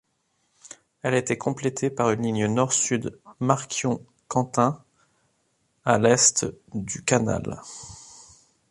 Elle était complétée par une ligne nord-sud Marquion-Cantaing à l'est du canal.